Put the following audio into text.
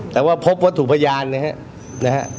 แต่ว่าพบวัตถุพยานนะครับ